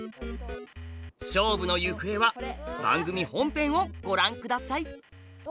勝負の行方は番組本編をご覧下さい！